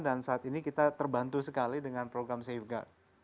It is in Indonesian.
dan saat ini kita terbantu sekali dengan program safeguard